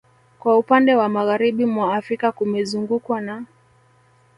Kwa upande wa Magharibi mwa Afrika kumezungukwa na